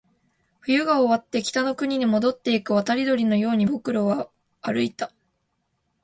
冬が終わって、北の国に戻っていく渡り鳥のように僕らは歩いた